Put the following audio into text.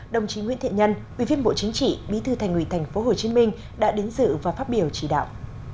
đồng chí nguyễn thị nhân ubnd tp hcm đã đến dự và phát biểu chỉ đạo